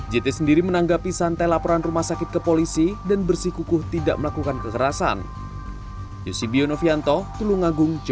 jt sendiri menanggapi santai laporan rumah sakit ke polisi dan bersikukuh tidak melakukan kekerasan